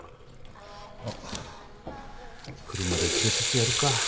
あっ車で連れてってやるか。